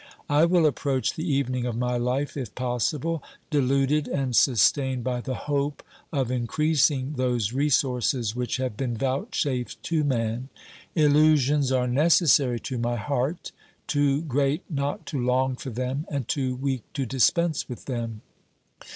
I will approach the evening of my life, if possible, deluded and sustained by the hope of increasing those resources which have been vouchsafed to man. Illusions are necessary to my heart, too great not to long for them and too weak to dispense with them.